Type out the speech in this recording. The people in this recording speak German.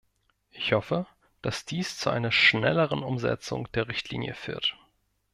Ich hoffe, dass dies zu einer schnelleren Umsetzung der Richtlinie führt.